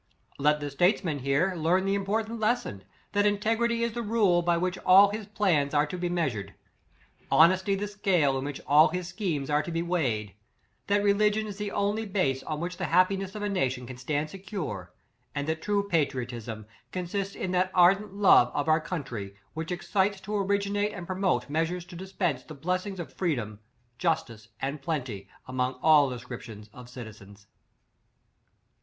" Let the statesman here learn the im portant lesson, that integrity is the rule, by which all his plans are to be measured; honesty the scale in which all his schemes are to be weighed; that religion is the on ly base on which the happiness of a na tion can stand secure, and that true pa triotism consists in that ardent love of our country, which excites to originate and promote measures to dispense the bless ings of freedom, justice, and plenty, among all descriptions of citizens.